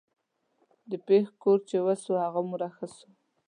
د پښ کور چې وسو هغومره ښه سو.